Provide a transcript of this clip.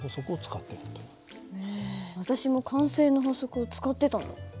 へえ私も慣性の法則を使ってたんだ。